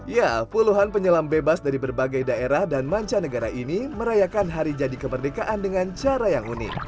ya puluhan penyelam bebas dari berbagai daerah dan mancanegara ini merayakan hari jadi kemerdekaan dengan cara yang unik